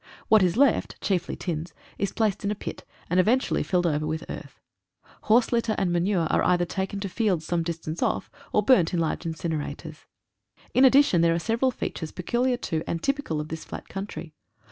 What is left, chiefly tins, is placed in a pit, and eventu ally filled over with earth. Horse litter and manure are either taken to fields some distance off or burnt in large incinerators. In addition, there are several features peculiar to and typical of this flat country.